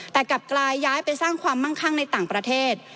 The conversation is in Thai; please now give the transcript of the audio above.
แต่กลับกลายย้ายไปสร้างความมั่งคั่งในต่างประเทศ